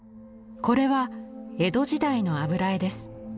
これは江戸時代の油絵です。